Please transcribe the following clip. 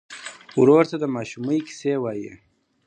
ورور ته د ماشومۍ کیسې وایې.